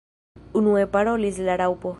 Unue parolis la Raŭpo.